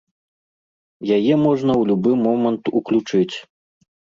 Яе можна ў любы момант уключыць.